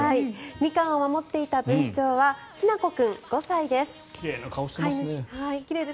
ミカンを守っていたブンチョウはきなこ君、５歳です。